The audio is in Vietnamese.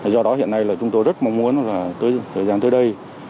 do đó hiện nay chúng tôi rất mong muốn thời gian tới đây